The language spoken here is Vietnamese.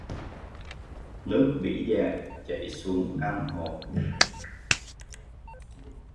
Nước Vĩ dạ chảy xuống ao hồ